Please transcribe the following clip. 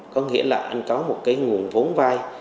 có nghĩa là anh có một nguồn vốn vai